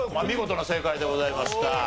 見事な正解でございました。